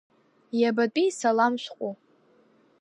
Иабатәи салам шәҟәу?